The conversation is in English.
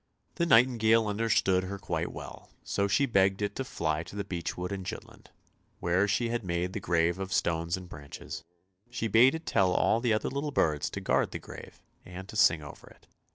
The nightingale understood her quite well, so she begged it to fly to the beech wood in Jutland, where she had made the grave of stones and branches; she bade it tell all the other little birds to guard the grave and to sing over it.